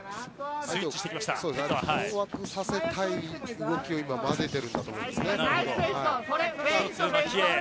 当惑させたい動きを今混ぜていると思うんですね。